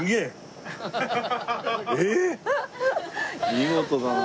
見事だな。